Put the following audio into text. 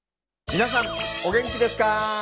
皆さんお元気ですか！